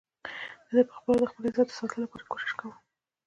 ده په خپله د خپل عزت د ساتلو لپاره کوشش کاوه.